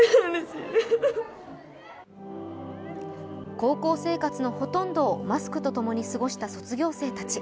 高校生活のほとんどをマスクと共に過ごした卒業生たち。